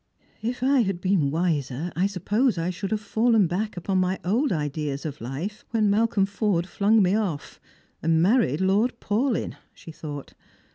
" If I had been wiser, I suppose I should have fallen back upon my old ideas of life when JMalcolm Forde flung me off, and married Lord Paulyn," she thought.